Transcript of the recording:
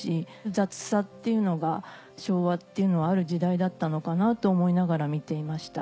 「雑さ」っていうのが昭和っていうのはある時代だったのかなと思いながら見ていました。